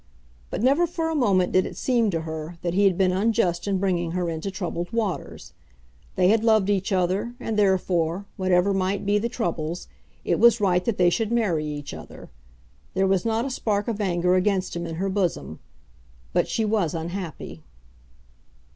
But never for a moment did it seem to her that he had been unjust in bringing her into troubled waters. They had loved each other, and therefore, whatever might be the troubles, it was right that they should marry each other. There was not a spark of anger against him in her bosom; but she was unhappy.